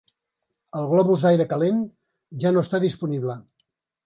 El globus d'aire calent ja no està disponible.